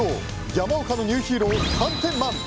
山岡のニューヒーロー寒天マン！